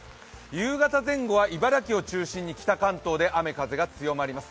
夕方前後は茨城を中心に北関東で雨風が強まります。